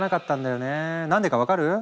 何でか分かる？